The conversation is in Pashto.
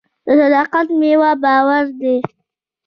د صداقت میوه باور دی.